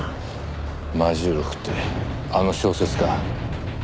『魔銃録』ってあの小説か。